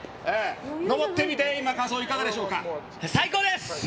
上ってみて感想はいかがでしょうか？